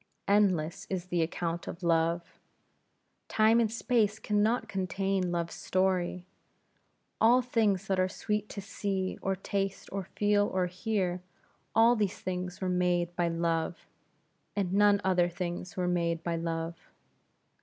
Endless is the account of Love. Time and space can not contain Love's story. All things that are sweet to see, or taste, or feel, or hear, all these things were made by Love; and none other things were made by Love.